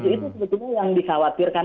itu sebetulnya yang dikhawatirkan